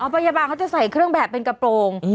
พยาบาลเขาจะใส่เครื่องแบบเป็นกระโปรง